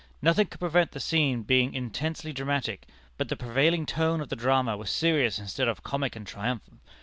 Nothing could prevent the scene being intensely dramatic, but the prevailing tone of the drama was serious instead of comic and triumphant.